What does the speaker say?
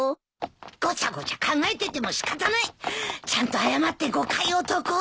ごちゃごちゃ考えてても仕方ないちゃんと謝って誤解を解こう。